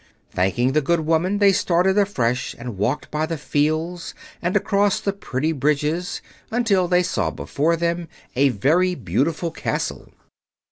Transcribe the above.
Thanking the good woman, they started afresh and walked by the fields and across the pretty bridges until they saw before them a very beautiful Castle.